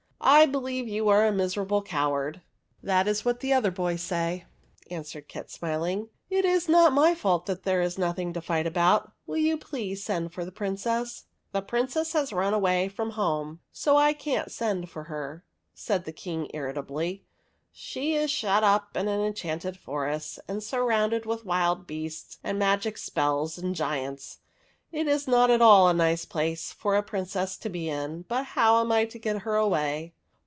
'' I believe you are a miserable coward !"" That is what the other boys say," answered Kit, smiling. " It is not my fault that there is nothing to fight about. Will you please send for the Princess ?"'' The Princess has run away from home, so I can't send for her," said the King, irritably. "She is shut up in an enchanted forest, and arrounded with wild beasts and magic spells and giants. It is not at all a nice place for a Princess to be in, but how am I to get her away